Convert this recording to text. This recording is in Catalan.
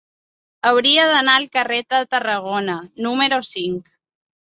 Hauria d'anar al carrer de Tarragona número cinc.